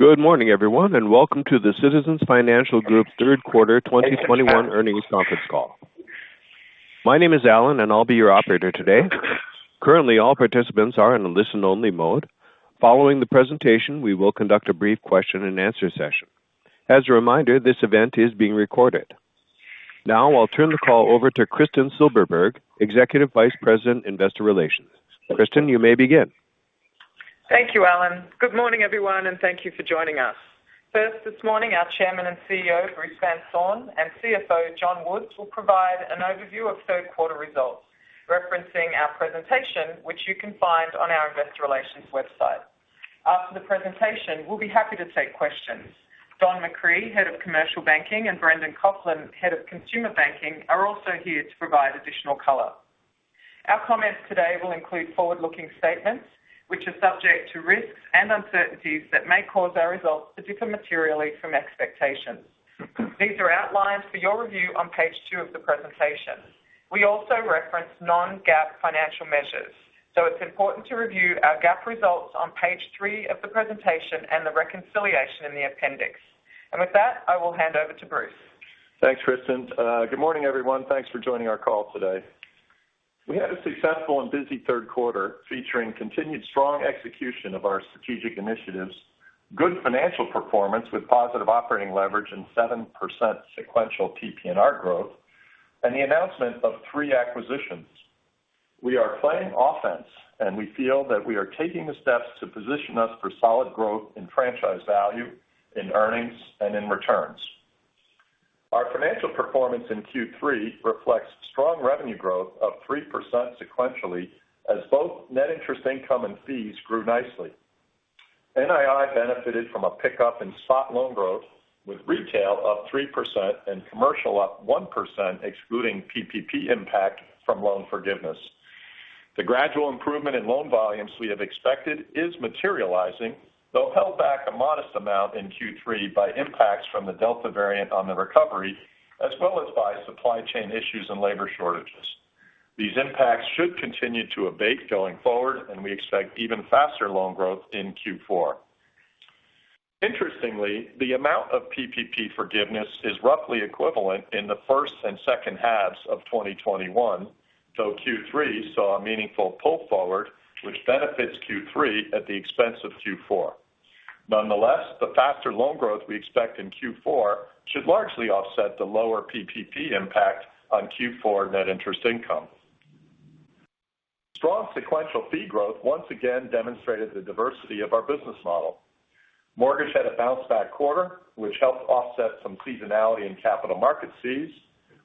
Good morning, everyone, and welcome to the Citizens Financial Group third quarter 2021 earnings conference call. My name is Alan, and I'll be your operator today. Currently, all participants are in listen-only mode. Following the presentation, we will conduct a brief question-and-answer session. As a reminder, this event is being recorded. Now I'll turn the call over to Kristin Silberberg, Executive Vice President, Investor Relations. Kristin, you may begin. Thank you, Alan. Good morning, everyone, and thank you for joining us. First this morning, our Chairman and CEO, Bruce Van Saun, and CFO, John Woods, will provide an overview of third quarter results, referencing our presentation, which you can find on our investor relations website. After the presentation, we'll be happy to take questions. Don McCree, Head of Commercial Banking, and Brendan Coughlin, Head of Consumer Banking, are also here to provide additional color. Our comments today will include forward-looking statements, which are subject to risks and uncertainties that may cause our results to differ materially from expectations. These are outlined for your review on page two of the presentation. We also reference non-GAAP financial measures, so it's important to review our GAAP results on page three of the presentation and the reconciliation in the appendix. With that, I will hand over to Bruce. Thanks, Kristin. Good morning, everyone. Thanks for joining our call today. We had a successful and busy third quarter featuring continued strong execution of our strategic initiatives, good financial performance with positive operating leverage and 7% sequential PPNR growth, and the announcement of three acquisitions. We are playing offense, and we feel that we are taking the steps to position us for solid growth in franchise value, in earnings, and in returns. Our financial performance in Q3 reflects strong revenue growth of 3% sequentially as both net interest income and fees grew nicely. NII benefited from a pickup in spot loan growth, with retail up 3% and commercial up 1%, excluding PPP impact from loan forgiveness. The gradual improvement in loan volumes we have expected is materializing, though held back a modest amount in Q3 by impacts from the Delta variant on the recovery, as well as by supply chain issues and labor shortages. These impacts should continue to abate going forward, and we expect even faster loan growth in Q4. Interestingly, the amount of PPP forgiveness is roughly equivalent in the first and second halves of 2021, though Q3 saw a meaningful pull forward, which benefits Q3 at the expense of Q4. Nonetheless, the faster loan growth we expect in Q4 should largely offset the lower PPP impact on Q4 net interest income. Strong sequential fee growth once again demonstrated the diversity of our business model. Mortgage had a bounce-back quarter, which helped offset some seasonality in capital market fees,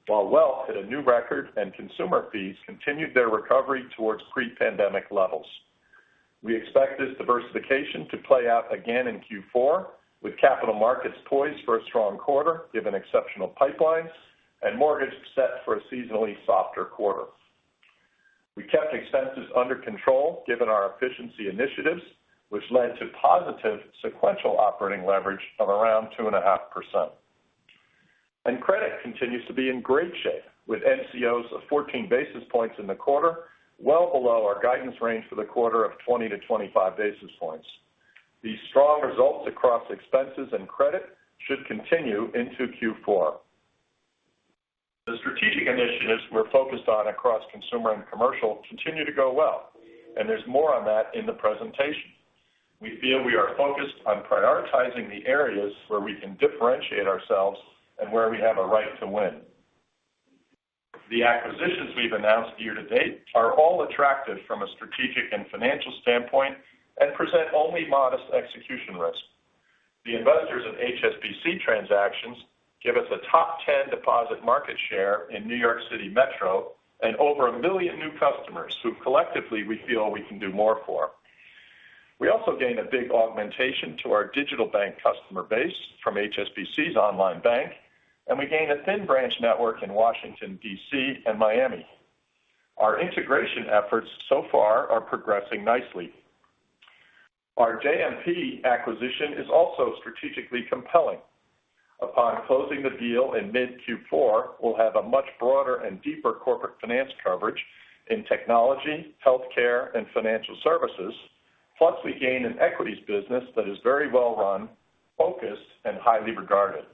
while wealth hit a new record and consumer fees continued their recovery towards pre-pandemic levels. We expect this diversification to play out again in Q4, with capital markets poised for a strong quarter given exceptional pipelines, and mortgage set for a seasonally softer quarter. We kept expenses under control given our efficiency initiatives, which led to positive sequential operating leverage of around 2.5%. Credit continues to be in great shape, with NCOs of 14 basis points in the quarter, well below our guidance range for the quarter of 20 basis points-25 basis points. These strong results across expenses and credit should continue into Q4. The strategic initiatives we're focused on across consumer and commercial continue to go well. There's more on that in the presentation. We feel we are focused on prioritizing the areas where we can differentiate ourselves and where we have a right to win. The acquisitions we've announced year-to-date are all attractive from a strategic and financial standpoint and present only modest execution risk. The Investors Bancorp and HSBC transactions give us a top 10 deposit market share in New York City Metro and over 1 million new customers who collectively we feel we can do more for. We also gain a big augmentation to our digital bank customer base from HSBC's online bank, and we gain a thin branch network in Washington, D.C., and Miami. Our integration efforts so far are progressing nicely. Our JMP acquisition is also strategically compelling. Upon closing the deal in mid-Q4, we'll have a much broader and deeper corporate finance coverage in technology, healthcare, and financial services. Plus, we gain an equities business that is very well-run, focused, and highly regarded.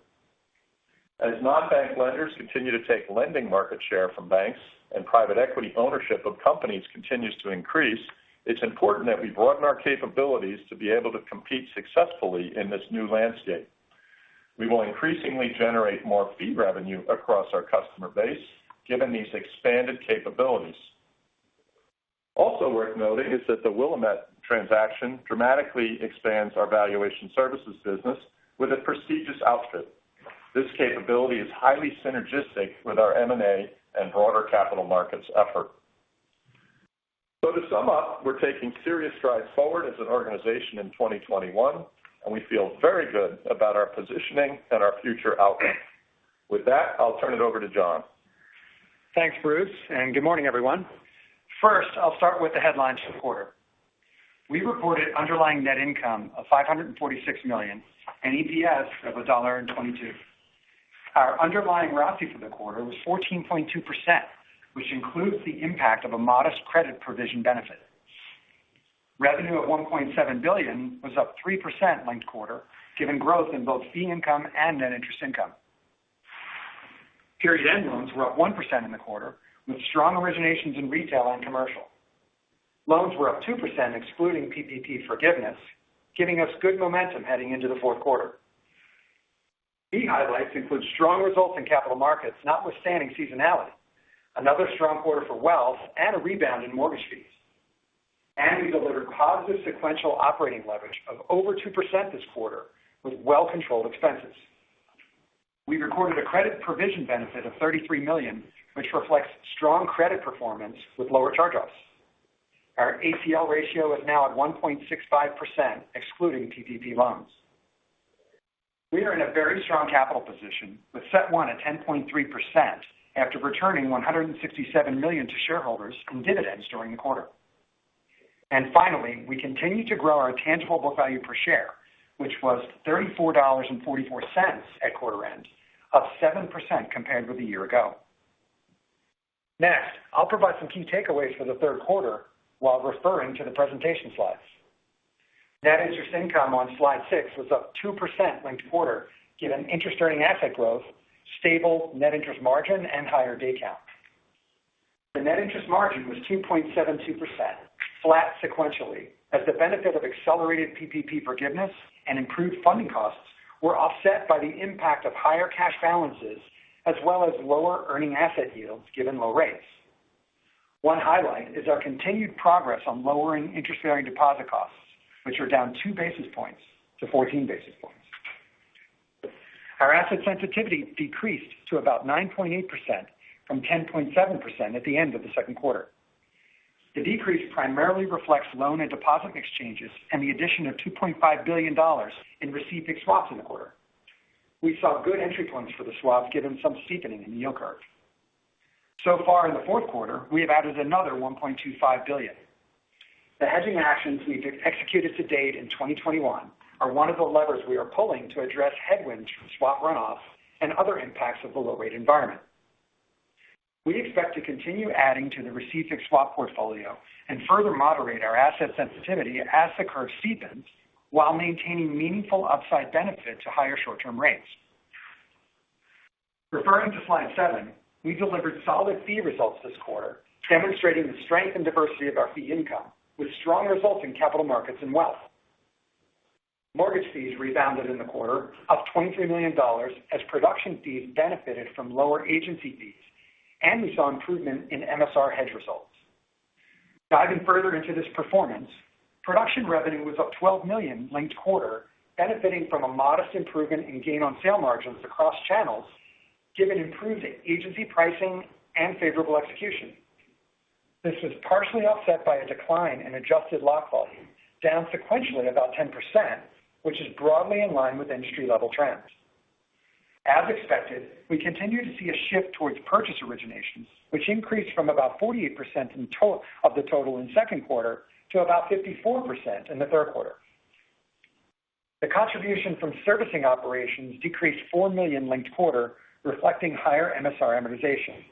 As non-bank lenders continue to take lending market share from banks and private equity ownership of companies continues to increase, it's important that we broaden our capabilities to be able to compete successfully in this new landscape. We will increasingly generate more fee revenue across our customer base, given these expanded capabilities. Also worth noting is that the Willamette transaction dramatically expands our valuation services business with a prestigious outfit. This capability is highly synergistic with our M&A and broader capital markets effort. To sum up, we're taking serious strides forward as an organization in 2021, and we feel very good about our positioning and our future outcomes. With that, I'll turn it over to John. Thanks, Bruce, and good morning, everyone. First, I'll start with the headlines for the quarter. We reported underlying net income of $546 million and EPS of $1.22. Our underlying ROTCE for the quarter was 14.2%, which includes the impact of a modest credit provision benefit. Revenue at $1.7 billion was up 3% linked quarter, given growth in both fee income and net interest income. Period end loans were up 1% in the quarter, with strong originations in retail and commercial. Loans were up 2%, excluding PPP forgiveness, giving us good momentum heading into the fourth quarter. Key highlights include strong results in capital markets notwithstanding seasonality, another strong quarter for wealth, and a rebound in mortgage fees. We delivered positive sequential operating leverage of over 2% this quarter, with well controlled expenses. We recorded a credit provision benefit of $33 million, which reflects strong credit performance with lower charge-offs. Our ACL ratio is now at 1.65%, excluding PPP loans. We are in a very strong capital position with CET1 at 10.3% after returning $167 million to shareholders in dividends during the quarter. Finally, we continue to grow our tangible book value per share, which was $34.44 at quarter end, up 7% compared with a year ago. Next, I'll provide some key takeaways for the third quarter while referring to the presentation slides. Net interest income on slide six was up 2% linked quarter, given interest earning asset growth, stable net interest margin, and higher day count. The net interest margin was 2.72%, flat sequentially as the benefit of accelerated PPP forgiveness and improved funding costs were offset by the impact of higher cash balances as well as lower earning asset yields, given low rates. One highlight is our continued progress on lowering interest-bearing deposit costs, which are down 2 basis points to 14 basis points. Our asset sensitivity decreased to about 9.8% from 10.7% at the end of the second quarter. The decrease primarily reflects loan and deposit exchanges and the addition of $2.5 billion in received fixed swaps in the quarter. We saw good entry points for the swaps given some steepening in the yield curve. So far in the fourth quarter, we have added another $1.25 billion. The hedging actions we've executed to date in 2021 are one of the levers we are pulling to address headwinds from swap run-off and other impacts of the low rate environment. We expect to continue adding to the received fixed swap portfolio and further moderate our asset sensitivity as the curve steepens while maintaining meaningful upside benefit to higher short-term rates. Referring to slide seven, we delivered solid fee results this quarter, demonstrating the strength and diversity of our fee income with strong results in capital markets and wealth. Mortgage fees rebounded in the quarter, up $23 million as production fees benefited from lower agency fees, and we saw improvement in MSR hedge results. Diving further into this performance, production revenue was up $12 million linked quarter, benefiting from a modest improvement in gain on sale margins across channels given improving agency pricing and favorable execution. This was partially offset by a decline in adjusted lock volume, down sequentially about 10%, which is broadly in line with industry level trends. As expected, we continue to see a shift towards purchase originations, which increased from about 48% of the total in the second quarter to about 54% in the third quarter. The contribution from servicing operations decreased $4 million linked-quarter, reflecting higher MSR amortization.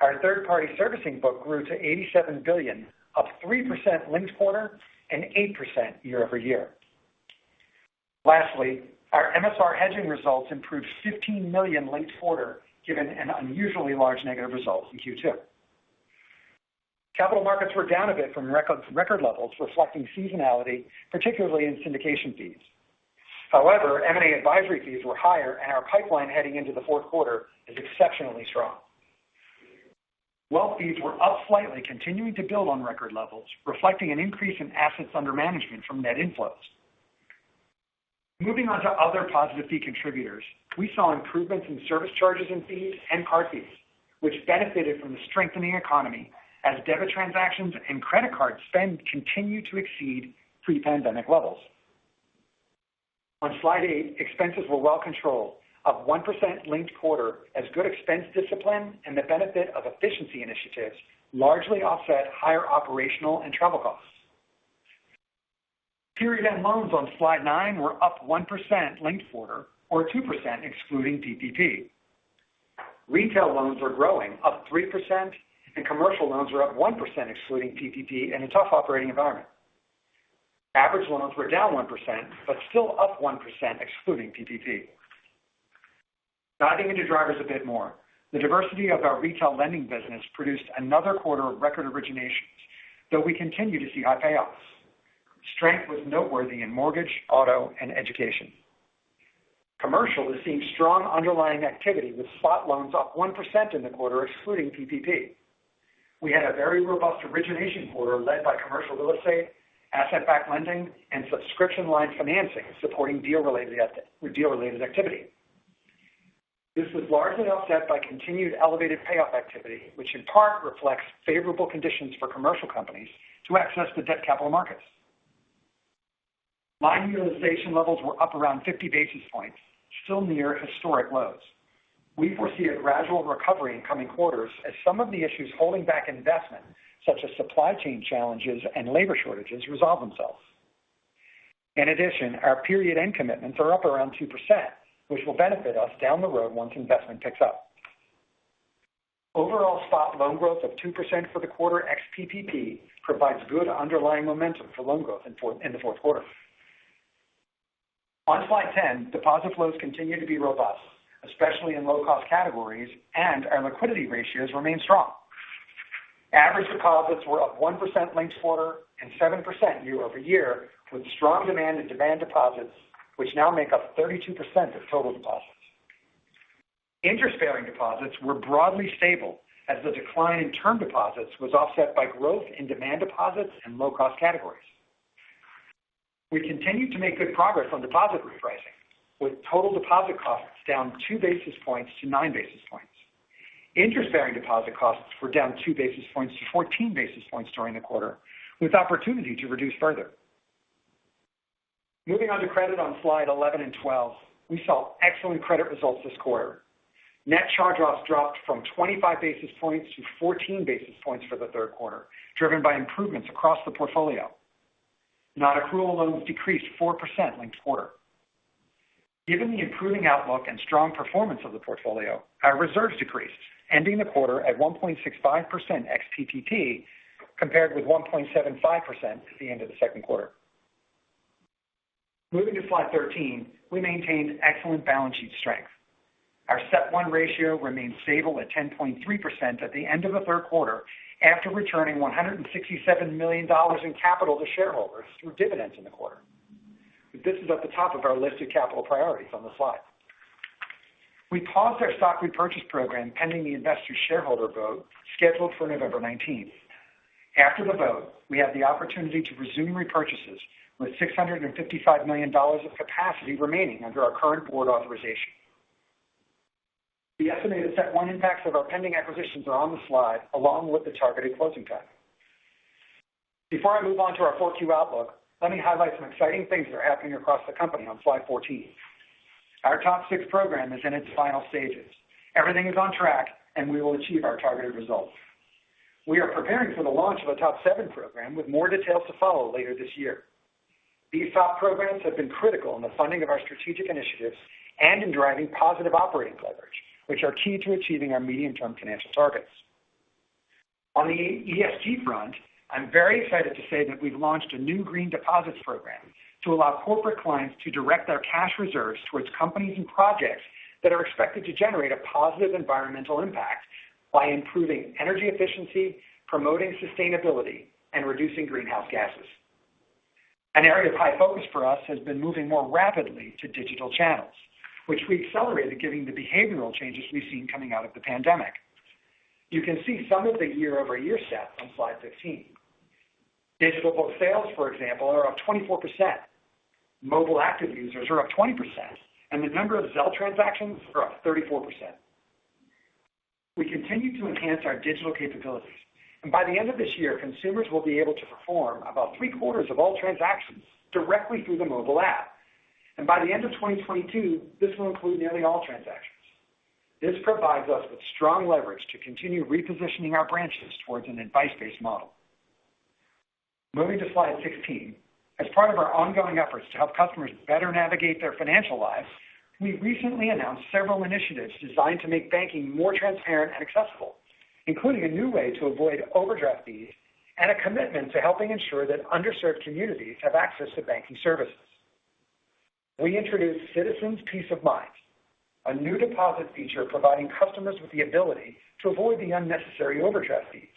Our third-party servicing book grew to $87 billion, up 3% linked-quarter and 8% year-over-year. Lastly, our MSR hedging results improved $15 million linked-quarter given an unusually large negative result in Q2. Capital markets were down a bit from record levels, reflecting seasonality, particularly in syndication fees. However, M&A advisory fees were higher, and our pipeline heading into the fourth quarter is exceptionally strong. Wealth fees were up slightly, continuing to build on record levels, reflecting an increase in assets under management from net inflows. Moving on to other positive fee contributors, we saw improvements in service charges and fees and card fees, which benefited from the strengthening economy as debit transactions and credit card spend continued to exceed pre-pandemic levels. On slide eight, expenses were well controlled, up 1% linked quarter as good expense discipline and the benefit of efficiency initiatives largely offset higher operational and travel costs. Period end loans on slide nine were up 1% linked quarter or 2% excluding PPP. Retail loans are growing up 3%, and commercial loans are up 1% excluding PPP in a tough operating environment. Average loans were down 1%, but still up 1% excluding PPP. Diving into drivers a bit more, the diversity of our retail lending business produced another quarter of record originations, though we continue to see high payoffs. Strength was noteworthy in mortgage, auto, and education. Commercial is seeing strong underlying activity with spot loans up 1% in the quarter excluding PPP. We had a very robust origination quarter led by commercial real estate, asset-backed lending, and subscription line financing supporting deal-related activity. This was largely offset by continued elevated payoff activity, which in part reflects favorable conditions for commercial companies to access the debt capital markets. Loan utilization levels were up around 50 basis points, still near historic lows. We foresee a gradual recovery in coming quarters as some of the issues holding back investment, such as supply chain challenges and labor shortages, resolve themselves. In addition, our period end commitments are up around 2%, which will benefit us down the road once investment picks up. Overall spot loan growth of 2% for the quarter ex-PPP provides good underlying momentum for loan growth in the fourth quarter. On slide 10, deposit flows continue to be robust, especially in low-cost categories, and our liquidity ratios remain strong. Average deposits were up 1% linked-quarter and 7% year-over-year, with strong demand in demand deposits, which now make up 32% of total deposits. Interest-bearing deposits were broadly stable as the decline in term deposits was offset by growth in demand deposits and low-cost categories. We continued to make good progress on deposit repricing, with total deposit costs down 2 basis points to 9 basis points. Interest-bearing deposit costs were down 2 basis points to 14 basis points during the quarter, with opportunity to reduce further. Moving on to credit on slide 11 and 12, we saw excellent credit results this quarter. Net charge-offs dropped from 25 basis points to 14 basis points for the third quarter, driven by improvements across the portfolio. Non-accrual loans decreased 4% linked quarter. Given the improving outlook and strong performance of the portfolio, our reserves decreased, ending the quarter at 1.65% ex-PPP, compared with 1.75% at the end of the second quarter. Moving to slide 13, we maintained excellent balance sheet strength. Our CET1 ratio remained stable at 10.3% at the end of the third quarter after returning $167 million in capital to shareholders through dividends in the quarter. This is at the top of our list of capital priorities on the slide. We paused our stock repurchase program pending the Investors shareholder vote scheduled for November 19th. After the vote, we have the opportunity to resume repurchases with $655 million of capacity remaining under our current board authorization. The estimated CET1 impacts of our pending acquisitions are on the slide, along with the targeted closing time. Before I move on to our Q4 outlook, let me highlight some exciting things that are happening across the company on slide 14. Our TOP 6 program is in its final stages. Everything is on track, and we will achieve our targeted results. We are preparing for the launch of a TOP 7 program with more details to follow later this year. These TOP programs have been critical in the funding of our strategic initiatives and in driving positive operating leverage, which are key to achieving our medium-term financial targets. On the ESG front, I'm very excited to say that we've launched a new green deposits program to allow corporate clients to direct their cash reserves towards companies and projects that are expected to generate a positive environmental impact by improving energy efficiency, promoting sustainability, and reducing greenhouse gases. An area of high focus for us has been moving more rapidly to digital channels, which we accelerated given the behavioral changes we've seen coming out of the pandemic. You can see some of the year-over-year stats on slide 15. Digital book sales, for example, are up 24%. Mobile active users are up 20%, and the number of Zelle transactions are up 34%. We continue to enhance our digital capabilities. By the end of this year, consumers will be able to perform about 3/4 of all transactions directly through the mobile app. By the end of 2022, this will include nearly all transactions. This provides us with strong leverage to continue repositioning our branches towards an advice-based model. Moving to slide 16, as part of our ongoing efforts to help customers better navigate their financial lives, we recently announced several initiatives designed to make banking more transparent and accessible, including a new way to avoid overdraft fees and a commitment to helping ensure that underserved communities have access to banking services. We introduced Citizens Peace of Mind, a new deposit feature providing customers with the ability to avoid the unnecessary overdraft fees.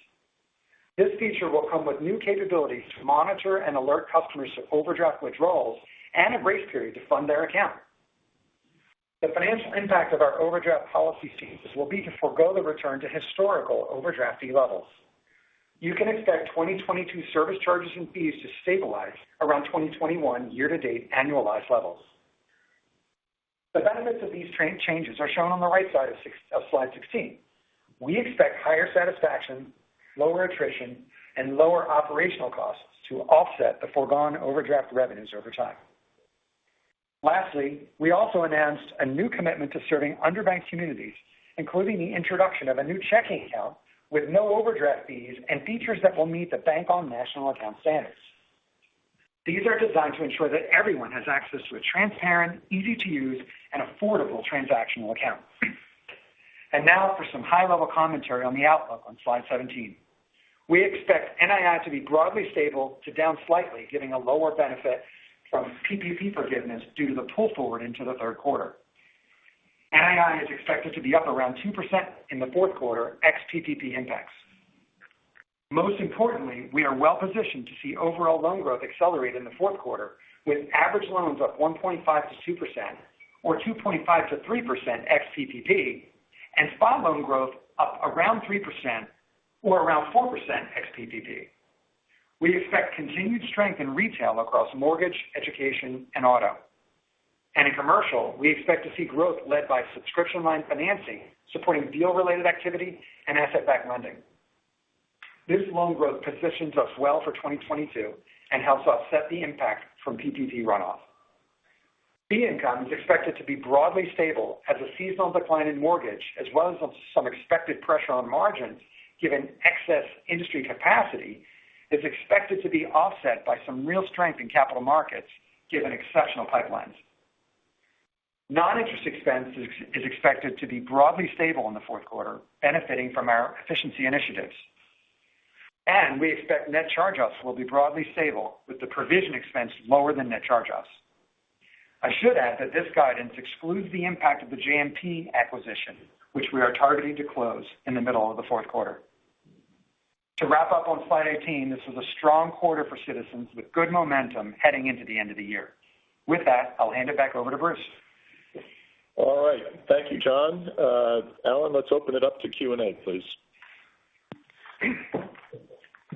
This feature will come with new capabilities to monitor and alert customers to overdraft withdrawals and a grace period to fund their account. The financial impact of our overdraft policy changes will be to forgo the return to historical overdraft fee levels. You can expect 2022 service charges and fees to stabilize around 2021 year-to-date annualized levels. The benefits of these changes are shown on the right side of slide 16. We expect higher satisfaction, lower attrition, and lower operational costs to offset the foregone overdraft revenues over time. Lastly, we also announced a new commitment to serving underbanked communities, including the introduction of a new checking account with no overdraft fees and features that will meet the Bank On National Account Standards. These are designed to ensure that everyone has access to a transparent, easy-to-use, and affordable transactional account. Now for some high-level commentary on the outlook on slide 17. We expect NII to be broadly stable to down slightly, giving a lower benefit from PPP forgiveness due to the pull forward into the third quarter. NII is expected to be up around 2% in the fourth quarter, ex-PPP impact. Most importantly, we are well positioned to see overall loan growth accelerate in the fourth quarter, with average loans up 1.5%-2% or 2.5%-3% ex-PPP, and spot loan growth up around 3% or around 4% ex-PPP. We expect continued strength in retail across mortgage, education, and auto. In commercial, we expect to see growth led by subscription line financing, supporting deal-related activity and asset-backed lending. This loan growth positions us well for 2022 and helps offset the impact from PPP runoff. Fee income is expected to be broadly stable as a seasonal decline in mortgage, as well as some expected pressure on margins, given excess industry capacity is expected to be offset by some real strength in capital markets, given exceptional pipelines. Non-interest expense is expected to be broadly stable in the fourth quarter, benefiting from our efficiency initiatives. We expect net charge-offs will be broadly stable with the provision expense lower than net charge-offs. I should add that this guidance excludes the impact of the JMP acquisition, which we are targeting to close in the middle of the fourth quarter. To wrap up on slide 18, this is a strong quarter for Citizens with good momentum heading into the end of the year. With that, I'll hand it back over to Bruce. All right. Thank you, John. Alan, let's open it up to Q&A, please.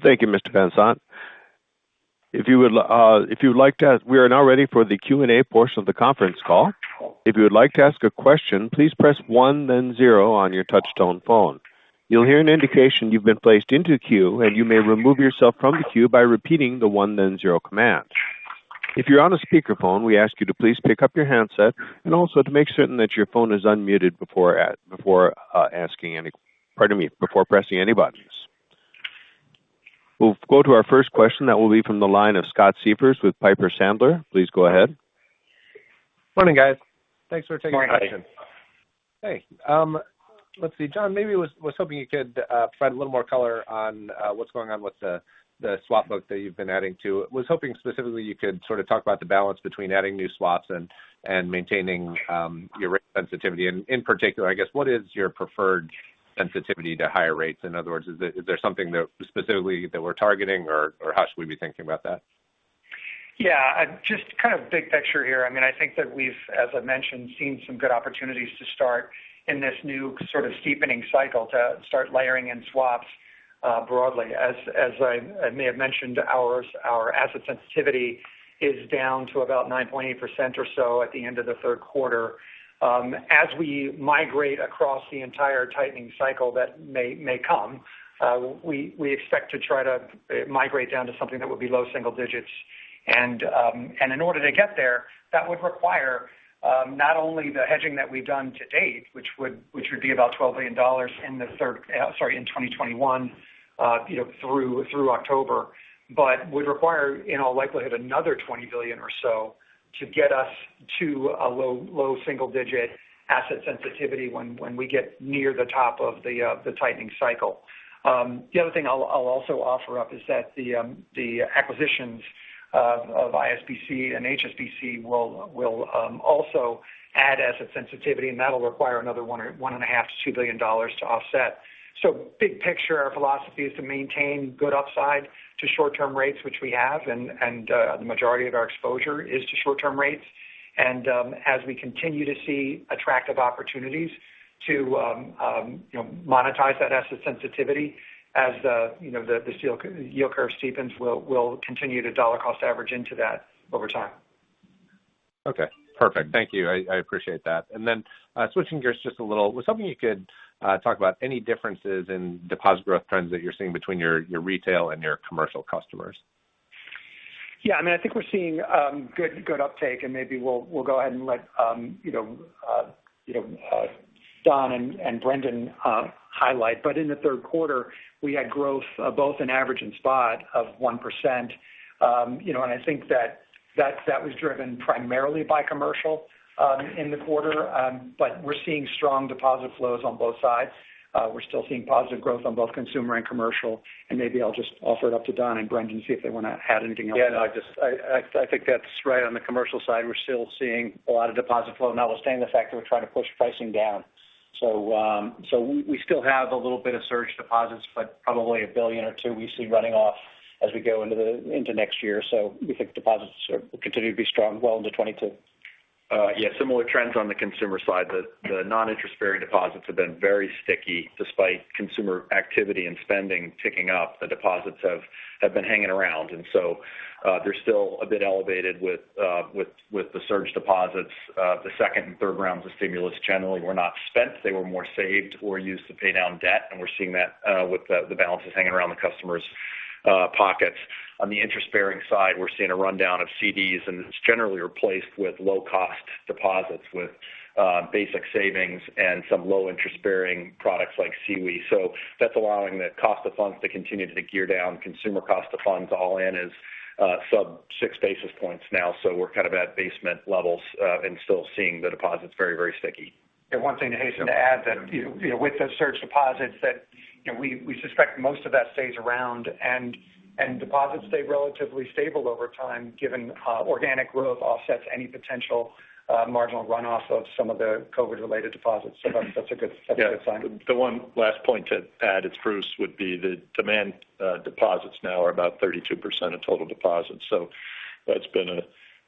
Thank you, Mr. Van Saun. We are now ready for the Q&A portion of the conference call. If you would like to ask a question, please press one then zero on your touch-tone phone. You'll hear an indication you've been placed into a queue, and you may remove yourself from the queue by repeating the one then zero command. If you're on a speakerphone, we ask you to please pick up your handset and also to make certain that your phone is unmuted before pressing any buttons. We'll go to our first question. That will be from the line of Scott Siefers with Piper Sandler. Please go ahead. Morning, guys. Thanks for taking my question. Morning. Hey. John, was hoping you could provide a little more color on what's going on with the swap book that you've been adding to? Was hoping specifically you could sort of talk about the balance between adding new swaps and maintaining your rate sensitivity? In particular, I guess, what is your preferred sensitivity to higher rates? In other words, is there something specifically that we're targeting, or how should we be thinking about that? Yeah. Just kind of big picture here. I think that we've, as I mentioned, seen some good opportunities to start in this new sort of steepening cycle to start layering in swaps broadly. As I may have mentioned, our asset sensitivity is down to about 9.8% or so at the end of the third quarter. As we migrate across the entire tightening cycle that may come, we expect to try to migrate down to something that would be low single digits. In order to get there, that would require not only the hedging that we've done to date, which would be about $12 billion in 2021 through October, but would require, in all likelihood, another $20 billion or so to get us to a low single-digit asset sensitivity when we get near the top of the tightening cycle. The other thing I'll also offer up is that the acquisitions of ISBC and HSBC will also add asset sensitivity, and that'll require another $1.5 billion-$2 billion to offset. Big picture, our philosophy is to maintain good upside to short-term rates, which we have, and the majority of our exposure is to short-term rates. As we continue to see attractive opportunities to monetize that asset sensitivity as the yield curve steepens, we'll continue to dollar cost average into that over time. Okay, perfect. Thank you. I appreciate that. Switching gears just a little, was hoping you could talk about any differences in deposit growth trends that you're seeing between your retail and your commercial customers. I think we're seeing good uptake, maybe we'll go ahead and let Don and Brendan highlight. In the third quarter, we had growth both in average and spot of 1%, I think that was driven primarily by commercial in the quarter. We're seeing strong deposit flows on both sides. We're still seeing positive growth on both consumer and commercial. Maybe I'll just offer it up to Don and Brendan, see if they want to add anything else. Yeah. I think that's right. On the commercial side, we're still seeing a lot of deposit flow, notwithstanding the fact that we're trying to push pricing down. We still have a little bit of surge deposits, but probably $1 billion-$2 billion we see running off as we go into next year. We think deposits will continue to be strong well into 2022. Yeah. Similar trends on the consumer side. The non-interest-bearing deposits have been very sticky despite consumer activity and spending picking up. The deposits have been hanging around, and so they're still a bit elevated with the surge deposits. The second and third rounds of stimulus generally were not spent. They were more saved or used to pay down debt, and we're seeing that with the balances hanging around the customers' pockets. On the interest-bearing side, we're seeing a rundown of CDs, and it's generally replaced with low-cost deposits with basic savings and some low interest-bearing products like sweep. That's allowing the cost of funds to continue to gear down. Consumer cost of funds all in is sub 6 basis points now, so we're kind of at basement levels and still seeing the deposits very, very sticky. Yeah. One thing I'd hasten to add that with the surge deposits, that we suspect most of that stays around, and deposits stay relatively stable over time given organic growth offsets any potential marginal runoff of some of the COVID-related deposits. That's a good sign. Yeah. The one last point to add, it's Bruce, would be the demand deposits now are about 32% of total deposits. That's been an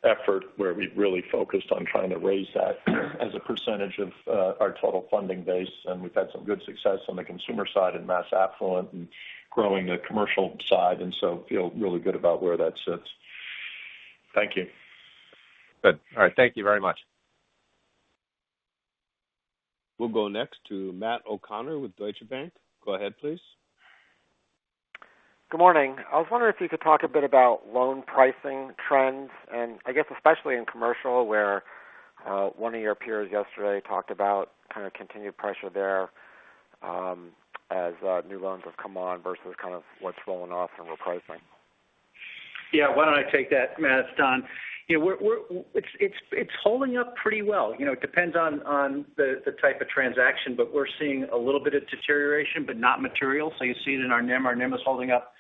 effort where we've really focused on trying to raise that as a percentage of our total funding base, and we've had some good success on the consumer side in mass affluent and growing the commercial side, and so feel really good about where that sits. Thank you. Good. All right. Thank you very much. We'll go next to Matt O'Connor with Deutsche Bank. Go ahead, please. Good morning. I was wondering if you could talk a bit about loan pricing trends, and I guess especially in commercial, where one of your peers yesterday talked about continued pressure there as new loans have come on versus what's rolling off and repricing. Yeah. Why don't I take that, Matt? It's Don. It's holding up pretty well. It depends on the type of transaction, but we're seeing a little bit of deterioration, but not material. You see it in our NIM. Our NIM is holding up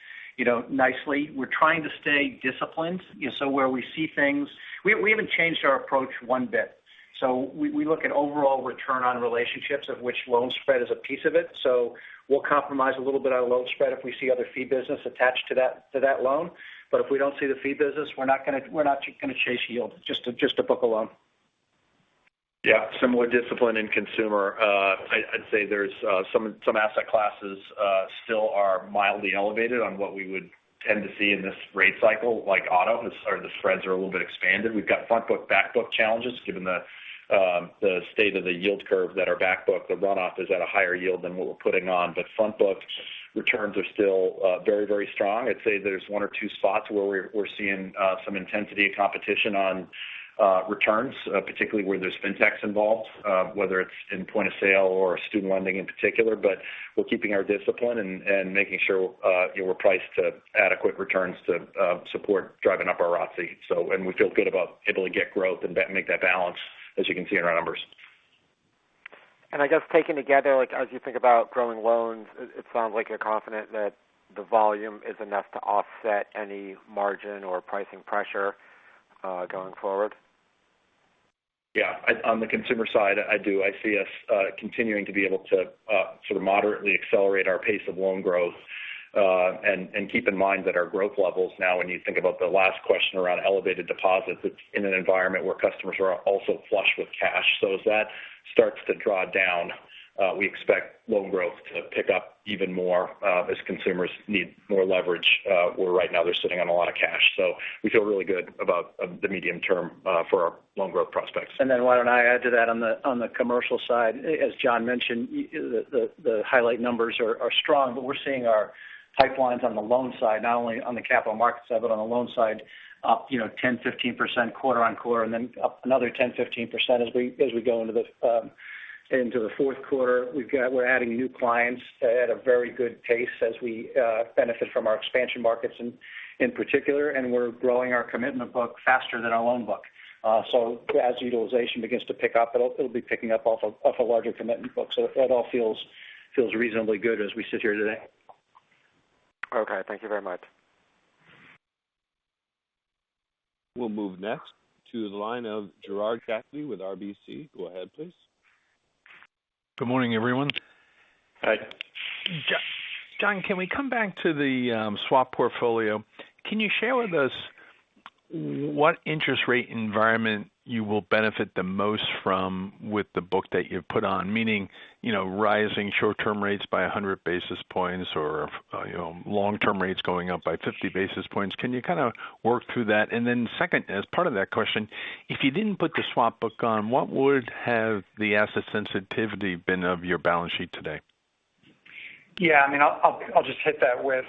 nicely. We're trying to stay disciplined. We haven't changed our approach one bit. We look at overall return on relationships, of which loan spread is a piece of it. We'll compromise a little bit on loan spread if we see other fee business attached to that loan. If we don't see the fee business, we're not going to chase yield just to book a loan. Yeah. Similar discipline in consumer. I'd say there's some asset classes still are mildly elevated on what we would tend to see in this rate cycle, like auto. The spreads are a little bit expanded. We've got front-book, back-book challenges given the state of the yield curve that our back book, the runoff is at a higher yield than what we're putting on. Front-book returns are still very strong. I'd say there's one or two spots where we're seeing some intensity of competition on returns, particularly where there's fintechs involved whether it's in point-of-sale or student lending in particular. We're keeping our discipline and making sure we're priced to adequate returns to support driving up our ROTCE. We feel good about able to get growth and make that balance, as you can see in our numbers. I guess taken together, as you think about growing loans, it sounds like you're confident that the volume is enough to offset any margin or pricing pressure going forward. Yeah. On the consumer side, I do. I see us continuing to be able to moderately accelerate our pace of loan growth. Keep in mind that our growth levels now, when you think about the last question around elevated deposits, it's in an environment where customers are also flush with cash. As that starts to draw down, we expect loan growth to pick up even more as consumers need more leverage, where right now they're sitting on a lot of cash. We feel really good about the medium term for our loan growth prospects. Why don't I add to that on the commercial side. As John mentioned, the highlight numbers are strong, but we're seeing our pipelines on the loan side, not only on the capital markets side, but on the loan side up 10%-15% quarter-over-quarter, up another 10%-15% as we go into the fourth quarter. We're adding new clients at a very good pace as we benefit from our expansion markets in particular, and we're growing our commitment book faster than our loan book. As utilization begins to pick up, it'll be picking up off a larger commitment book. It all feels reasonably good as we sit here today. Okay. Thank you very much. We'll move next to the line of Gerard Cassidy with RBC. Go ahead, please. Good morning, everyone. Hi. John, can we come back to the swap portfolio? Can you share with us what interest rate environment you will benefit the most from with the book that you've put on? Meaning, rising short-term rates by 100 basis points or long-term rates going up by 50 basis points. Can you kind of work through that? Second, as part of that question, if you didn't put the swap book on, what would have the asset sensitivity been of your balance sheet today? Yeah. I'll just hit that with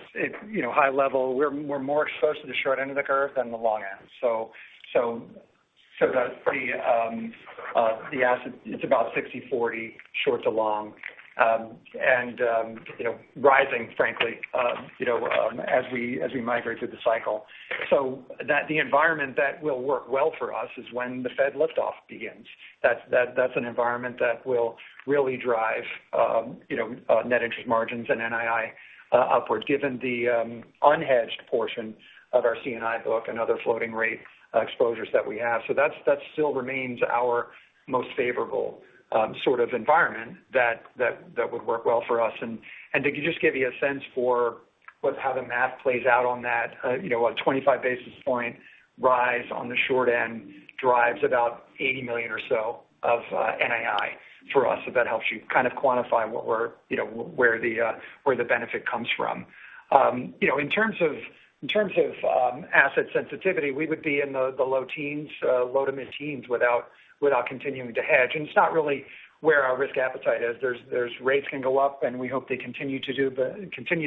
high level. We're more exposed to the short end of the curve than the long end. The asset, it's about 60/40 short to long. Rising, frankly as we migrate through the cycle. The environment that will work well for us is when the Fed liftoff begins. That's an environment that will really drive net interest margins and NII upward, given the unhedged portion of our C&I book and other floating-rate exposures that we have. That still remains our most favorable sort of environment that would work well for us. To just give you a sense for how the math plays out on that, a 25 basis point rise on the short end drives about $80 million or so of NII for us. If that helps you kind of quantify where the benefit comes from. In terms of asset sensitivity, we would be in the low to mid-teens without continuing to hedge. It's not really where our risk appetite is. Rates can go up, and we hope they continue to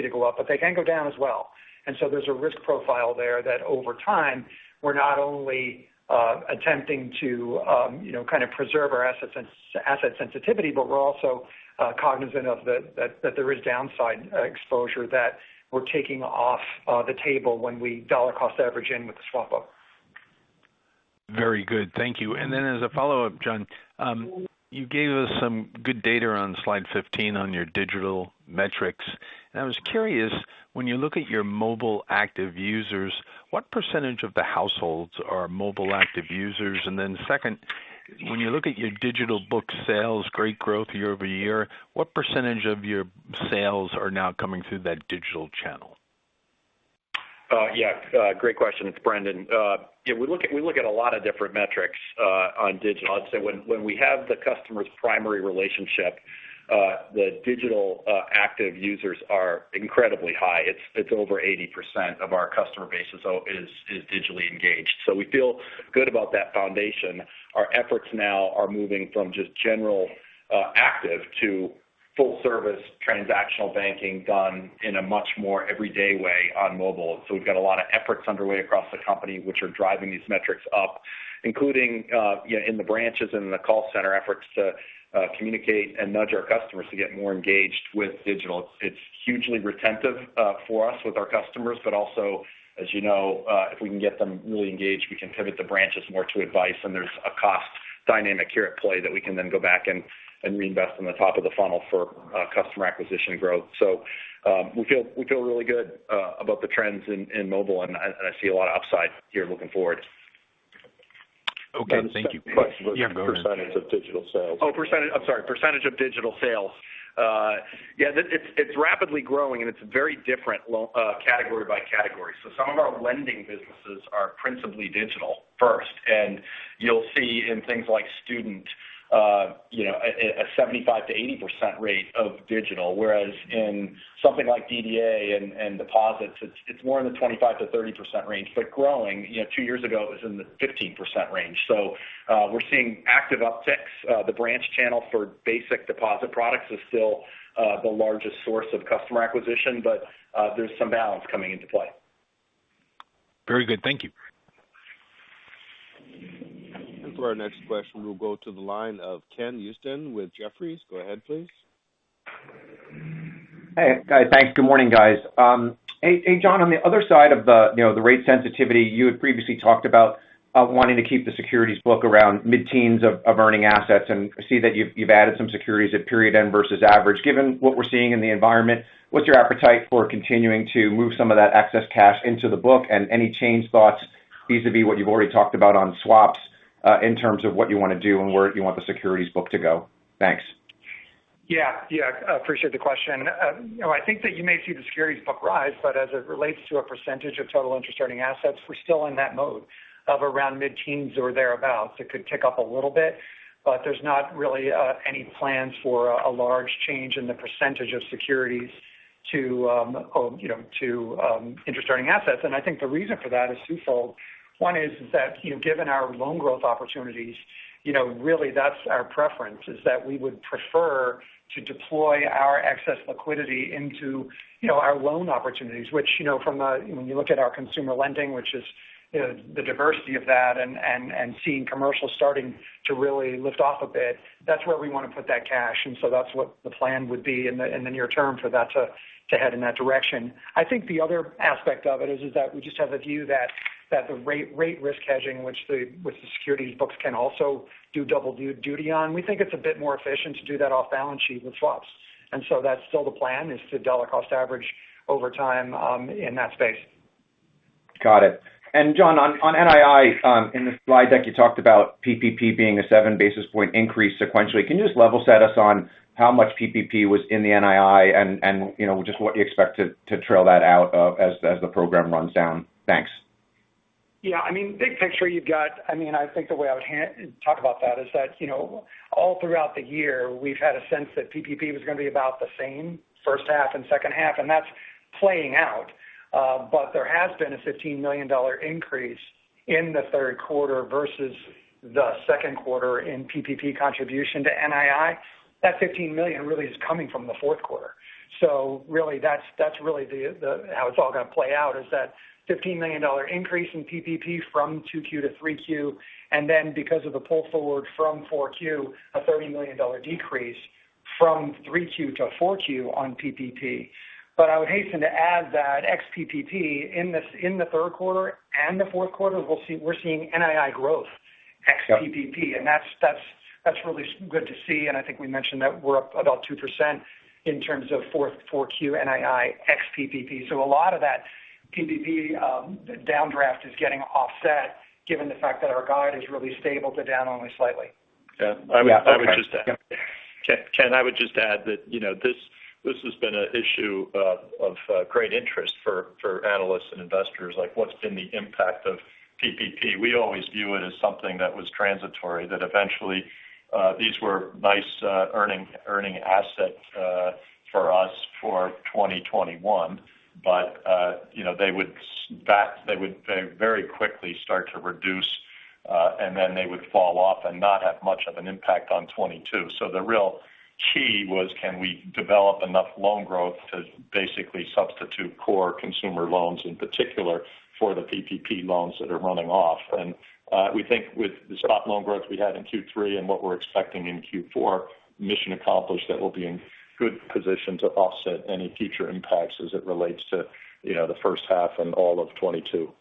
go up, but they can go down as well. There's a risk profile there that over time, we're not only attempting to preserve our asset sensitivity, but we're also cognizant that there is downside exposure that we're taking off the table when we dollar cost average in with the swap book. Very good. Thank you. Then as a follow-up, John, you gave us some good data on slide 15 on your digital metrics. I was curious, when you look at your mobile active users, what percentage of the households are mobile active users? Then second, when you look at your digital book sales, great growth year-over-year, what percentage of your sales are now coming through that digital channel? Yeah. Great question. It's Brendan. We look at a lot of different metrics on digital. I'd say when we have the customer's primary relationship. The digital active users are incredibly high. It's over 80% of our customer base is digitally engaged. We feel good about that foundation. Our efforts now are moving from just general active to full service transactional banking done in a much more everyday way on mobile. We've got a lot of efforts underway across the company, which are driving these metrics up, including in the branches and the call center efforts to communicate and nudge our customers to get more engaged with digital. It's hugely retentive for us with our customers, but also, as you know, if we can get them really engaged, we can pivot the branches more to advice, and there's a cost dynamic here at play that we can then go back and reinvest in the top of the funnel for customer acquisition growth. We feel really good about the trends in mobile, and I see a lot of upside here looking forward. Okay. Thank you. The second question was. Yeah, go ahead. Percentage of digital sales. Oh, percentage. I'm sorry. Percentage of digital sales. Yeah. It's rapidly growing, and it's very different category by category. Some of our lending businesses are principally digital first, and you'll see in things like student, a 75%-80% rate of digital, whereas in something like DDA and deposits, it's more in the 25%-30% range, but growing. Two years ago, it was in the 15% range. We're seeing active upticks. The branch channel for basic deposit products is still the largest source of customer acquisition, but there's some balance coming into play. Very good. Thank you. For our next question, we'll go to the line of Ken Usdin with Jefferies. Go ahead, please. Hey, guys. Thanks. Good morning, guys. Hey, John, on the other side of the rate sensitivity, you had previously talked about wanting to keep the securities book around mid-teens of earning assets, and I see that you've added some securities at period end versus average. Given what we're seeing in the environment, what's your appetite for continuing to move some of that excess cash into the book, and any change thoughts vis-a-vis what you've already talked about on swaps, in terms of what you want to do and where you want the securities book to go? Thanks. Yeah. I appreciate the question. I think that you may see the securities book rise, but as it relates to a percentage of total interest-earning assets, we're still in that mode of around mid-teens or thereabout. It could tick up a little bit, but there's not really any plans for a large change in the percentage of securities to interest-earning assets. I think the reason for that is twofold. One is that given our loan growth opportunities, really that's our preference, is that we would prefer to deploy our excess liquidity into our loan opportunities, which when you look at our consumer lending, which is the diversity of that and seeing commercial starting to really lift off a bit, that's where we want to put that cash. That's what the plan would be in the near term for that to head in that direction. I think the other aspect of it is that we just have a view that the rate risk hedging, which the securities books can also do double duty on. We think it's a bit more efficient to do that off balance sheet with swaps. That's still the plan, is to dollar cost average over time in that space. Got it. John, on NII, in the slide deck, you talked about PPP being a 7 basis point increase sequentially. Can you just level set us on how much PPP was in the NII and just what you expect to trail that out as the program runs down? Thanks. Yeah. I think the way I would talk about that is that all throughout the year, we've had a sense that PPP was going to be about the same first half and second half, and that's playing out. There has been a $15 million increase in the third quarter versus the second quarter in PPP contribution to NII. That $15 million really is coming from the fourth quarter. That's really how it's all going to play out, is that $15 million increase in PPP from 2Q to 3Q, and then because of the pull forward from 4Q, a $30 million decrease from 3Q to 4Q on PPP. I would hasten to add that ex-PPP in the third quarter and the fourth quarter, we're seeing NII growth ex-PPP. Yeah. That's really good to see, and I think we mentioned that we're up about 2% in terms of 4Q NII ex-PPP. A lot of that PPP downdraft is getting offset given the fact that our guide is really stable to down only slightly. Yeah. Okay. Ken, I would just add that this has been an issue of great interest for analysts and investors, like what's been the impact of PPP. We always view it as something that was transitory, that eventually these were nice earning assets for us for 2021. They would very quickly start to reduce, and then they would fall off and not have much of an impact on 2022. The real key was can we develop enough loan growth to basically substitute core consumer loans in particular for the PPP loans that are running off. We think with the spot loan growth we had in Q3 and what we're expecting in Q4, mission accomplished, that we'll be in good position to offset any future impacts as it relates to the first half and all of 2022.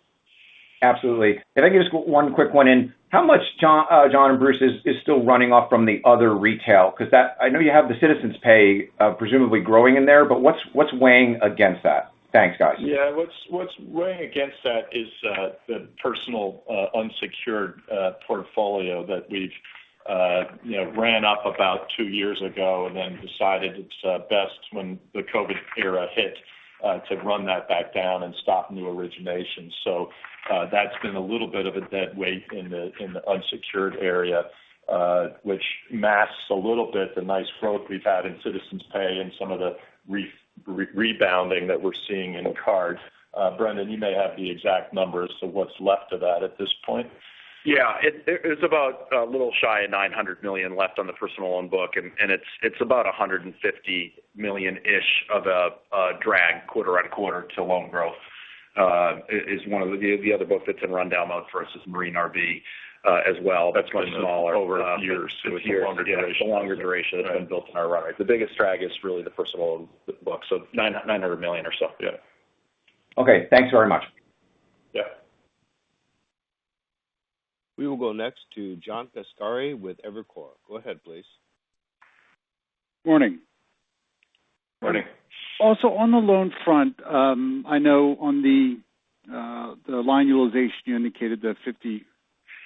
Absolutely. Can I get just one quick one in? How much, John and Bruce, is still running off from the other retail? I know you have the Citizens Pay presumably growing in there, but what's weighing against that? Thanks, guys. Yeah. What's weighing against that is the personal unsecured portfolio that we've ran up about two years ago and then decided it's best when the COVID era hit. To run that back down and stop new originations. That's been a little bit of a dead weight in the unsecured area, which masks a little bit the nice growth we've had in Citizens Pay and some of the rebounding that we're seeing in cards. Brendan, you may have the exact numbers of what's left of that at this point. Yeah. It's about a little shy of $900 million left on the personal loan book, and it's about $150 million-ish of a drag quarter-on-quarter to loan growth. The other book that's in rundown mode for us is Marine/RV as well. That's much smaller over years to a longer duration. It's a longer duration that's been built in our run rate. The biggest drag is really the personal loan book, so $900 million or so. Yeah. Okay. Thanks very much. Yeah. We will go next to John Pancari with Evercore. Go ahead please. Morning. Morning. Also on the loan front, I know on the line utilization, you indicated the 50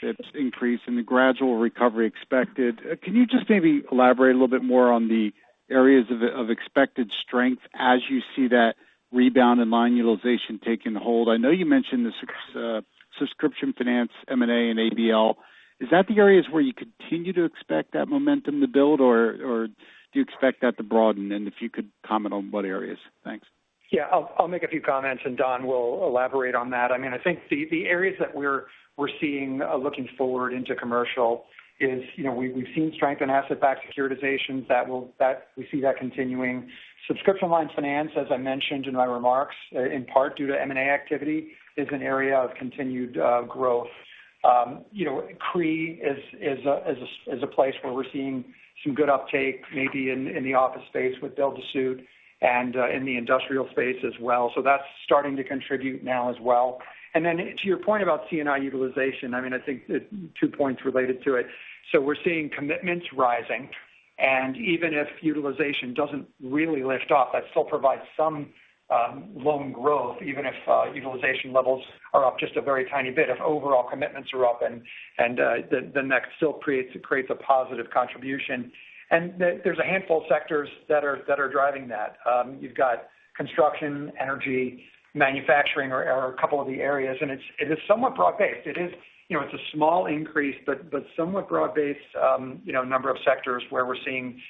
basis points increase and the gradual recovery expected. Can you just maybe elaborate a little bit more on the areas of expected strength as you see that rebound in line utilization taking hold? I know you mentioned the subscription finance, M&A, and ABL. Is that the areas where you continue to expect that momentum to build, or do you expect that to broaden? If you could comment on what areas. Thanks. Yeah. I'll make a few comments, and Don will elaborate on that. I think the areas that we're seeing looking forward into commercial is we've seen strength in asset-backed securitizations. We see that continuing. Subscription line finance, as I mentioned in my remarks, in part due to M&A activity, is an area of continued growth. CRE is a place where we're seeing some good uptake, maybe in the office space with Delta, too and in the industrial space as well. That's starting to contribute now as well. To your point about C&I utilization, I think two points related to it. We're seeing commitments rising, and even if utilization doesn't really lift off, that still provides some loan growth, even if utilization levels are up just a very tiny bit. If overall commitments are up, then that still creates a positive contribution. There's a handful of sectors that are driving that. You've got construction, energy, manufacturing, or a couple of the areas, and it is somewhat broad based. It's a small increase, somewhat broad based number of sectors where we're seeing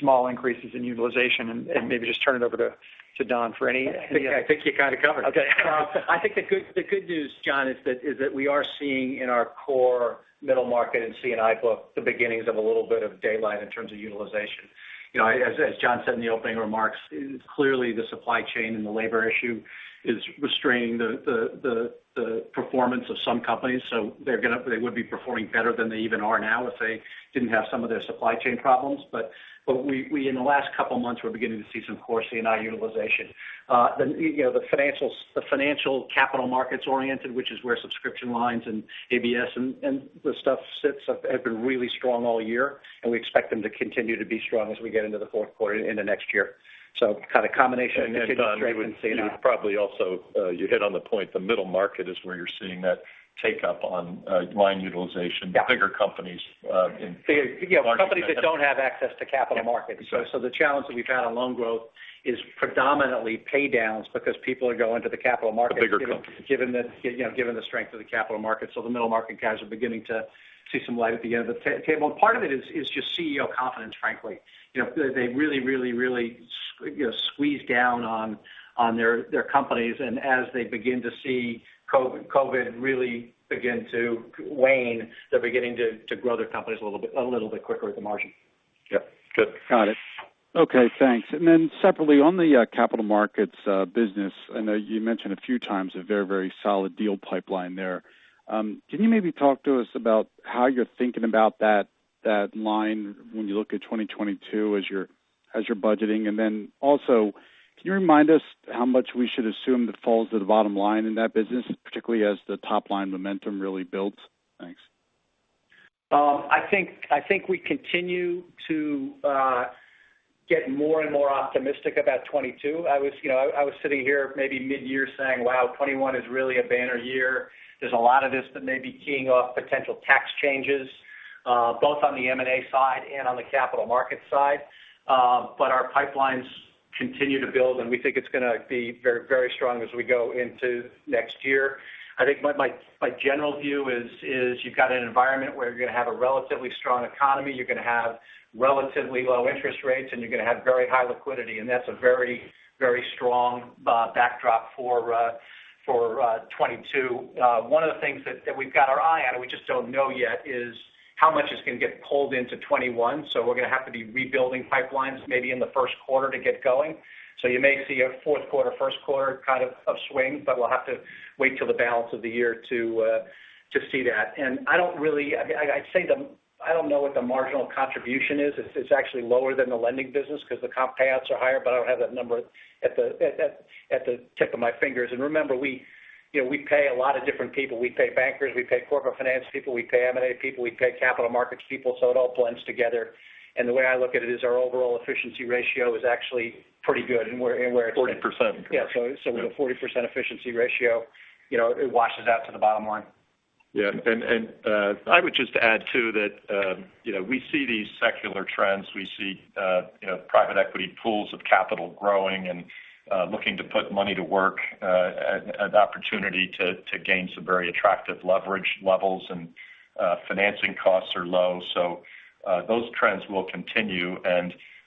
small increases in utilization. Maybe just turn it over to Don McCree. I think you kind of covered it. Okay. I think the good news, John, is that we are seeing in our core middle market and C&I book the beginnings of a little bit of daylight in terms of utilization. As John said in the opening remarks, clearly the supply chain and the labor issue is restraining the performance of some companies. They would be performing better than they even are now if they didn't have some of their supply chain problems. We, in the last couple of months, we're beginning to see some core C&I utilization. The financial capital markets oriented, which is where subscription lines and ABS and the stuff sits, have been really strong all year, and we expect them to continue to be strong as we get into the fourth quarter into next year. Kind of combination of the strength in C&I. Don, you hit on the point, the middle market is where you're seeing that take up on line utilization. Yeah. Bigger companies. Companies that don't have access to capital markets. The challenge that we've had on loan growth is predominantly paydowns because people are going to the capital markets. The bigger companies given the strength of the capital markets. The middle market guys are beginning to see some light at the end of the tunnel. Part of it is just CEO confidence, frankly. They really, really, really squeezed down on their companies. And as they begin to see COVID really begin to wane, they're beginning to grow their companies a little bit quicker at the margin. Yeah. Good. Got it. Okay, thanks. Separately, on the capital markets business, I know you mentioned a few times a very solid deal pipeline there. Can you maybe talk to us about how you're thinking about that line when you look at 2022 as you're budgeting? Can you remind us how much we should assume that falls to the bottom line in that business, particularly as the top-line momentum really builds? Thanks. I think we continue to get more and more optimistic about 2022. I was sitting here maybe mid-year saying, "Wow, 2021 is really a banner year." There's a lot of this that may be keying off potential tax changes, both on the M&A side and on the capital markets side. Our pipelines continue to build, and we think it's going to be very strong as we go into next year. I think my general view is you've got an environment where you're going to have a relatively strong economy, you're going to have relatively low interest rates, and you're going to have very high liquidity. That's a very strong backdrop for 2022. One of the things that we've got our eye on, and we just don't know yet, is how much is going to get pulled into 2021. We're going to have to be rebuilding pipelines maybe in the first quarter to get going. You may see a fourth quarter, first quarter kind of swing, but we'll have to wait till the balance of the year to see that. I don't know what the marginal contribution is. It's actually lower than the lending business because the comp payouts are higher, but I don't have that number at the tip of my fingers. Remember, we pay a lot of different people. We pay bankers, we pay corporate finance people, we pay M&A people, we pay capital markets people, so it all blends together. The way I look at it is our overall efficiency ratio is actually pretty good. 40%. With a 40% efficiency ratio, it washes out to the bottom line. I would just add too that we see these secular trends. We see private equity pools of capital growing and looking to put money to work at an opportunity to gain some very attractive leverage levels. Financing costs are low. Those trends will continue.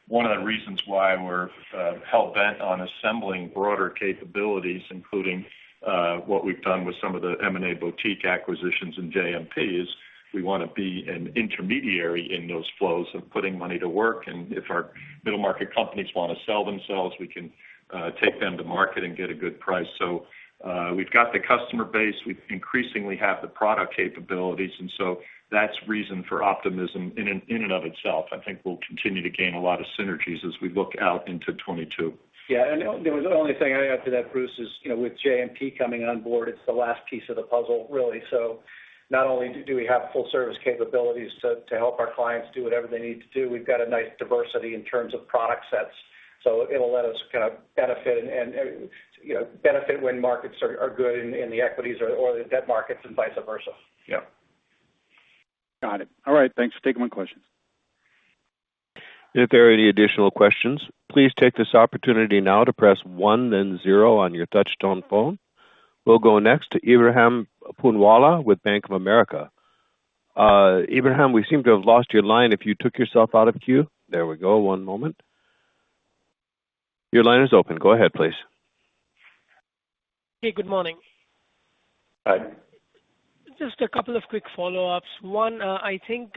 One of the reasons why we're hell-bent on assembling broader capabilities, including what we've done with some of the M&A boutique acquisitions in JMP, is we want to be an intermediary in those flows of putting money to work. If our middle-market companies want to sell themselves, we can take them to market and get a good price. We've got the customer base, we increasingly have the product capabilities. That's reason for optimism in and of itself. I think we'll continue to gain a lot of synergies as we look out into 2022. Yeah. The only thing I'd add to that, Bruce, is with JMP coming on board, it's the last piece of the puzzle, really. Not only do we have full-service capabilities to help our clients do whatever they need to do, we've got a nice diversity in terms of product sets. It'll let us kind of benefit when markets are good and the equities or the debt markets, and vice versa. Yeah. Got it. All right, thanks. Take my question. If there are any additional questions, please take this opportunity now to press one then zero on your touch-tone phone. We'll go next to Ebrahim Poonawala with Bank of America. Ebrahim, we seem to have lost your line. If you took yourself out of queue. There we go. One moment. Your line is open. Go ahead, please. Hey, good morning. Hi. Just a couple of quick follow-ups. One, I think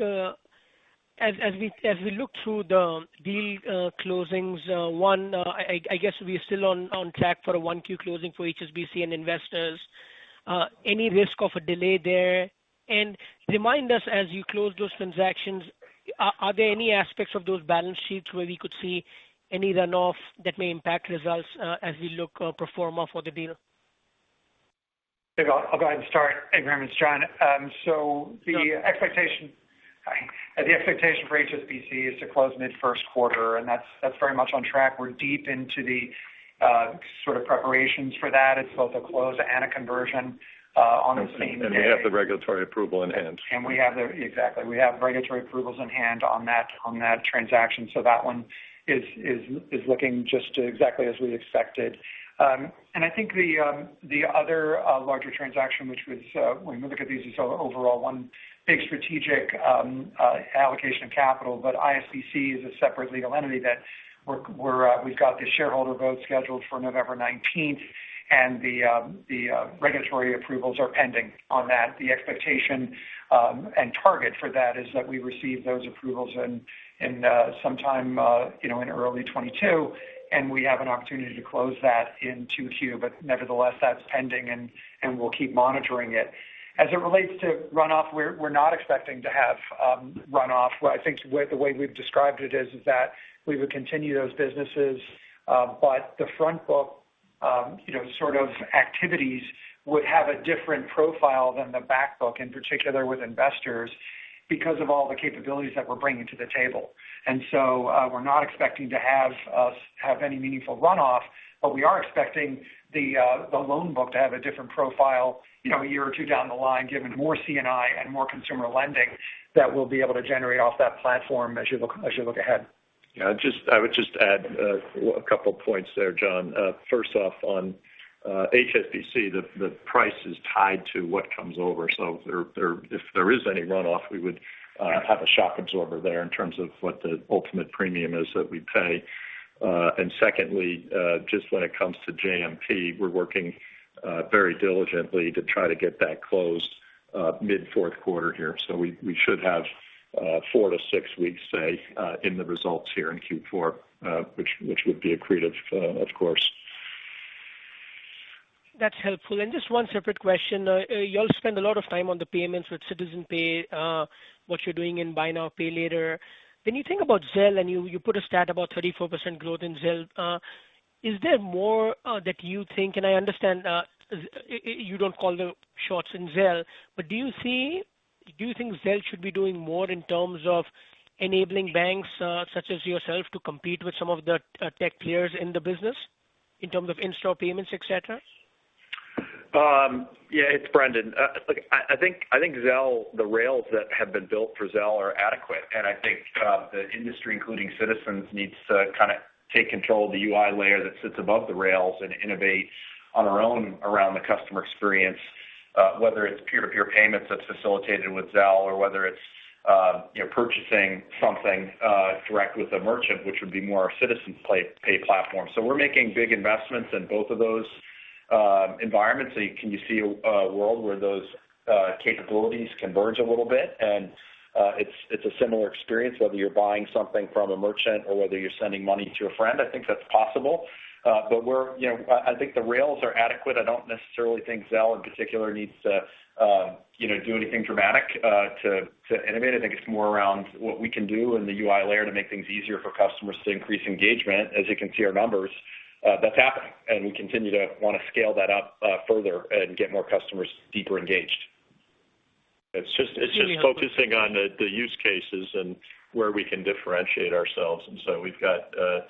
as we look through the deal closings, I guess we are still on track for a 1Q closing for HSBC and Investors. Any risk of a delay there? Remind us as you close those transactions, are there any aspects of those balance sheets where we could see any runoff that may impact results as we look pro forma for the deal? I'll go ahead and start. Ebrahim, it's John. The expectation for HSBC is to close mid-first quarter, and that's very much on track. We're deep into the sort of preparations for that. It's both a close and a conversion on the same day. We have the regulatory approval in hand. Exactly. We have regulatory approvals in hand on that transaction. That one is looking just exactly as we expected. I think the other larger transaction when we look at these as overall one big strategic allocation of capital, but ISBC is a separate legal entity that we've got this shareholder vote scheduled for November 19th, and the regulatory approvals are pending on that. The expectation and target for that is that we receive those approvals in sometime in early 2022, and we have an opportunity to close that in 2Q. Nevertheless, that's pending, and we'll keep monitoring it. As it relates to runoff, we're not expecting to have runoff. I think the way we've described it is that we would continue those businesses. The front book sort of activities would have a different profile than the back book, in particular with Investors because of all the capabilities that we're bringing to the table. We're not expecting to have any meaningful runoff, but we are expecting the loan book to have a different profile a year or two down the line, given more C&I and more consumer lending that we'll be able to generate off that platform as you look ahead. I would just add a couple of points there, John. First off on HSBC, the price is tied to what comes over. If there is any runoff, we would have a shock absorber there in terms of what the ultimate premium is that we pay. Secondly, just when it comes to JMP, we're working very diligently to try to get that closed mid-fourth quarter here. We should have four to six weeks, say, in the results here in Q4 which would be accretive, of course. That's helpful. Just one separate question. You all spend a lot of time on the payments with Citizens Pay, what you're doing in buy now, pay later. When you think about Zelle and you put a stat about 34% growth in Zelle, is there more that you think, and I understand you don't call the shots in Zelle, but do you think Zelle should be doing more in terms of enabling banks such as yourself to compete with some of the tech players in the business in terms of in-store payments, et cetera? Yeah. It's Brendan. Look, I think the rails that have been built for Zelle are adequate, and I think the industry, including Citizens, needs to kind of take control of the UI layer that sits above the rails and innovate on our own around the customer experience, whether it's peer-to-peer payments that's facilitated with Zelle or whether it's purchasing something direct with a merchant, which would be more a Citizens Pay platform. We're making big investments in both of those environments. You can see a world where those capabilities converge a little bit, and it's a similar experience whether you're buying something from a merchant or whether you're sending money to a friend. I think that's possible. I think the rails are adequate. I don't necessarily think Zelle in particular needs to do anything dramatic to innovate. I think it's more around what we can do in the UI layer to make things easier for customers to increase engagement. As you can see our numbers, that's happening, and we continue to want to scale that up further and get more customers deeper engaged. It's just focusing on the use cases and where we can differentiate ourselves. We've got a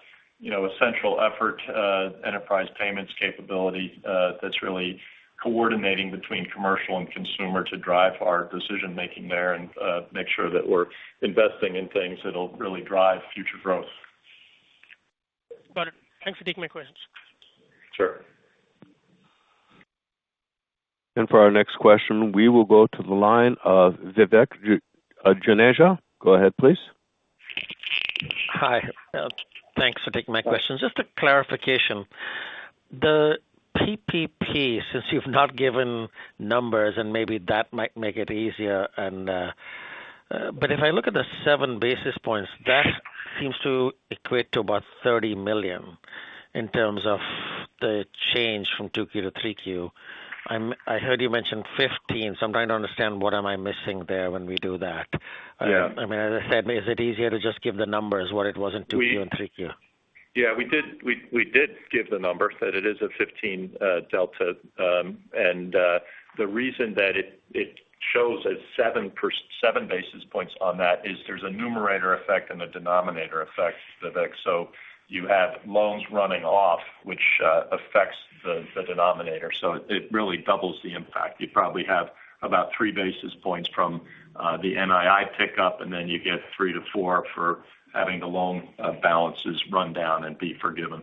central effort enterprise payments capability that's really coordinating between commercial and consumer to drive our decision-making there and make sure that we're investing in things that'll really drive future growth. Got it. Thanks for taking my questions. Sure. For our next question, we will go to the line of Vivek Juneja. Go ahead, please. Hi. Thanks for taking my questions. Just a clarification. The PPP, since you've not given numbers and maybe that might make it easier and but if I look at the 7 basis points, that seems to equate to about $30 million in terms of the change from 2Q to 3Q. I heard you mention $15 million, so I'm trying to understand what am I missing there when we do that. Yeah. I mean, as I said, is it easier to just give the numbers, what it was in 2Q and 3Q? Yeah. We did give the numbers, that it is a $15 million delta. The reason that it shows as 7 basis points on that is there's a numerator effect and a denominator effect, Vivek. You have loans running off, which affects the denominator. It really doubles the impact. You probably have about 3 basis points from the NII pickup, and then you get three to four for having the loan balances run down and be forgiven.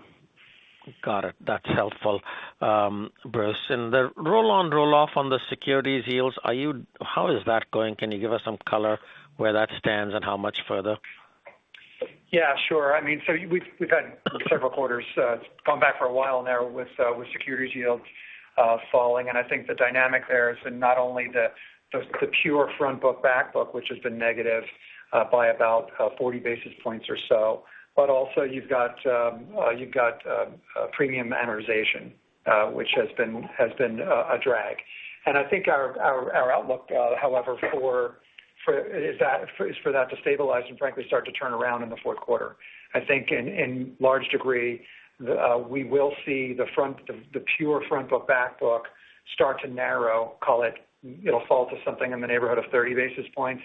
Got it. That's helpful, Bruce. The roll on roll off on the securities yields, how is that going? Can you give us some color where that stands and how much further? Yeah, sure. We've had several quarters gone back for a while now with securities yields falling, and I think the dynamic there has been not only the pure front book, back book, which has been negative by about 40 basis points or so, but also you've got premium amortization, which has been a drag. I think our outlook, however, is for that to stabilize and frankly start to turn around in the fourth quarter. I think in large degree, we will see the pure front book, back book start to narrow. Call it'll fall to something in the neighborhood of 30 basis points.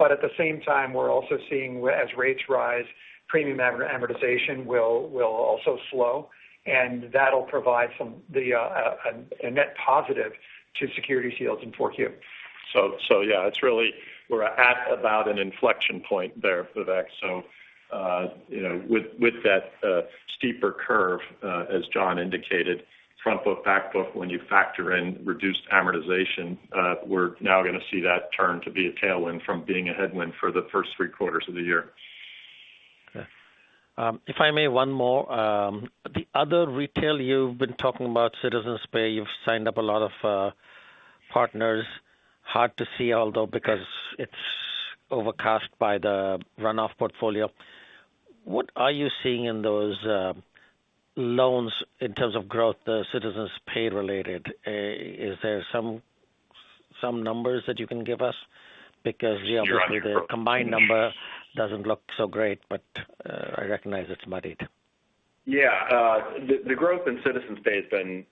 At the same time, we're also seeing as rates rise, premium amortization will also slow, and that'll provide a net positive to securities yields in 4Q. Yeah, we're at about an inflection point there, Vivek. With that steeper curve, as John indicated, front book, back book, when you factor in reduced amortization we're now going to see that turn to be a tailwind from being a headwind for the first three quarters of the year. Okay. If I may, one more. The other retail you've been talking about, Citizens Pay, you've signed up a lot of partners. Hard to see, although, because it's overcast by the runoff portfolio. What are you seeing in those loans in terms of growth, the Citizens Pay related? Is there some numbers that you can give us? Sure. The combined number doesn't look so great, but I recognize it's muddied. Yeah. The growth in Citizens Pay has been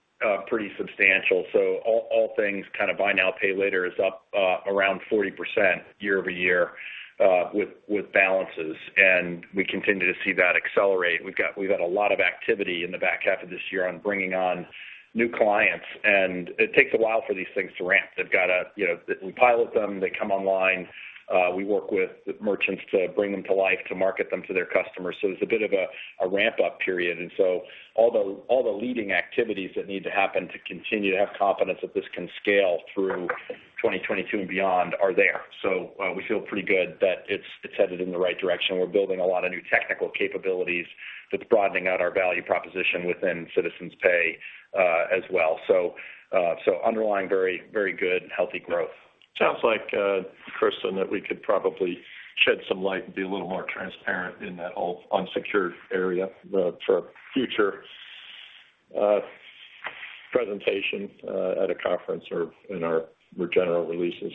pretty substantial. All things kind of buy now, pay later is up around 40% year-over-year with balances, and we continue to see that accelerate. We've had a lot of activity in the back half of this year on bringing on new clients, and it takes a while for these things to ramp. We pilot them. They come online. We work with merchants to bring them to life, to market them to their customers. There's a bit of a ramp-up period. All the leading activities that need to happen to continue to have confidence that this can scale through 2022 and beyond are there. We feel pretty good that it's headed in the right direction. We're building a lot of new technical capabilities that's broadening out our value proposition within Citizens Pay as well. Underlying very good and healthy growth. Sounds like, Kristin, that we could probably shed some light and be a little more transparent in that whole unsecured area for future presentation at a conference or in our general releases.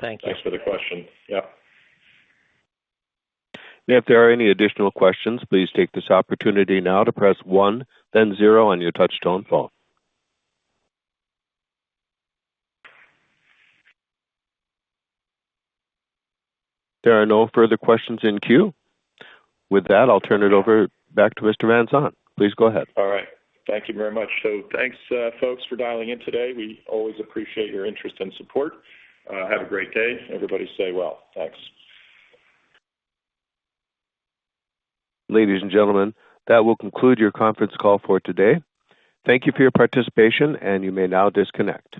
Thank you. Thanks for the question. Yep. If there are any additional questions, please take this opportunity now to press one then zero on your touch-tone phone. There are no further questions in queue. With that, I'll turn it over back to Mr. Van Saun. Please go ahead. All right. Thank you very much. Thanks folks for dialing in today. We always appreciate your interest and support. Have a great day. Everybody stay well. Thanks. Ladies and gentlemen, that will conclude your conference call for today. Thank you for your participation, and you may now disconnect.